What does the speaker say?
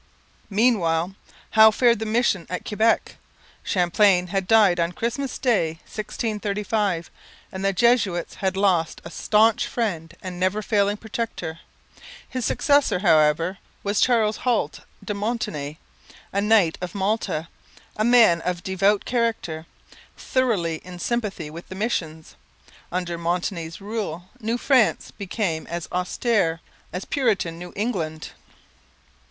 Meanwhile, how fared the mission at Quebec? Champlain had died on Christmas Day 1635, and the Jesuits had lost a staunch friend and never failing protector. His successor, however, was Charles Huault de Montmagny, a knight of Malta, a man of devout character, thoroughly in sympathy with the missions. Under Montmagny's rule New France became as austere as Puritan New England.